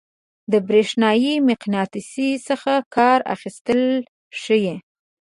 د برېښنايي مقناطیس څخه کار اخیستل ښيي.